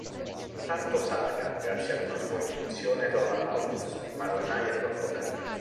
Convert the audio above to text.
Intanto Saga, grazie ad una sua intuizione trova August, ma ormai è troppo tardi.